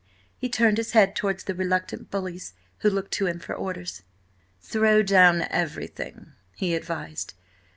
He turned his head towards the reluctant bullies who looked to him for orders. "Throw down everything!" he advised.